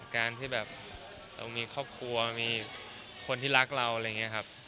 การที่แบบเรามีครอบครัวมีคนที่รักเราอะไรอย่างนี้ครับ